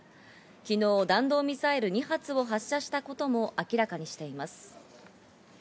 昨日、弾道ミサイル２発を発射したことも明らかにしています。